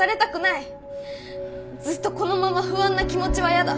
ずっとこのまま不安な気持ちは嫌だ。